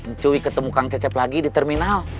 mencui ketemu kang cecep lagi di terminal